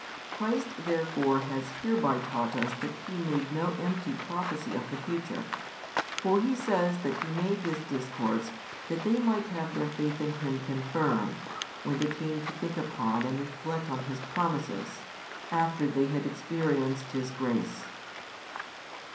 Christ therefore has hereby taught us that He made no empty prophecy of the future. For He says that He made this discourse that they might have their faith in Him confirmed, when they came to think upon and reflect on His promises, after they had experienced His grace.